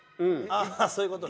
ああそういう事ね。